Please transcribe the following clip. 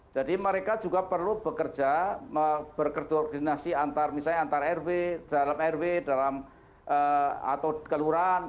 jadi mereka juga perlu bekerja berkordinasi antar misalnya antar rw dalam rw atau kelurahan